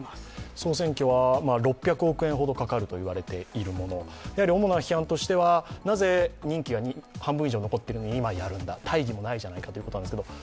総選挙は６００億円ほどかかると言われているもの、主な批判としてはなぜ任期が半分以上残っているのに今やるんだ、大義もないじゃないかということなんですけど。